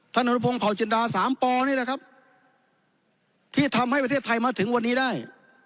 อนุพงศ์เผาจินดาสามปอนี่แหละครับที่ทำให้ประเทศไทยมาถึงวันนี้ได้